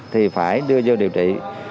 thì phải đưa vô điều trị